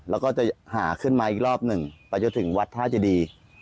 แล้วก็จะหาขึ้นมาอีกรอบหนึ่งไปจนถึงวัดท่าเจดี